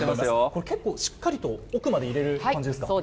これ、結構しっかりと奥まで入れそうです。